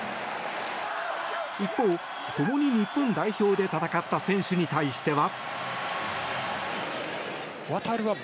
一方、共に日本代表で戦った選手に対しては。